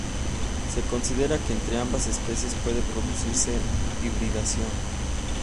Se considera que entre ambas especies puede producirse hibridación.